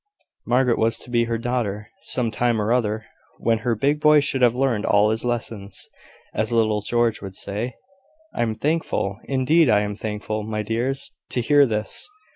Margaret was to be her daughter some time or other, when her big boy should have learned all his lessons, as little George would say. "I am thankful! Indeed I am thankful, my dears, to hear this.